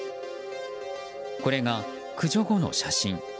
これが駆除後の写真。